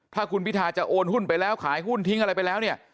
ถ้าคุณพิทาจะโอนหุ้นไปแล้วขายหุ้นทิ้งอะไรไปแล้วเนี่ย